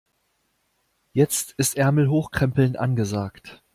Jetzt ist Ärmel hochkrempeln angesagt.